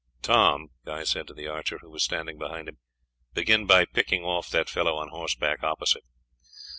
"Tom," Guy said to the archer, who was standing behind him. "Begin by picking off that fellow on horseback opposite."